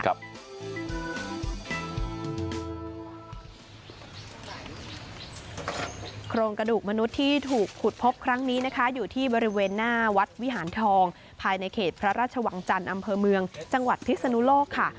โครงกระดูกมนุษย์ที่ถูกขุดพบครั้งนี้นะคะอยู่ที่บริเวณหน้าวัดวิหารทองภายในเขตพระราชวังจันทร์อำเภอเมืองจังหวัดพิศนุโลกค่ะ